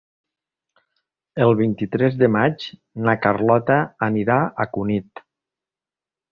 El vint-i-tres de maig na Carlota anirà a Cunit.